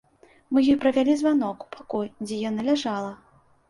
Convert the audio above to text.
Мы ёй правялі званок у пакой, дзе яна ляжала.